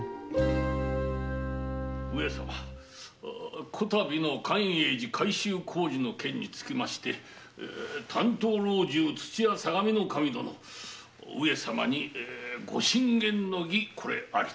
上様此度の寛永寺改修工事の件につきまして担当老中・土屋相模守殿上様にご進言の儀これありと。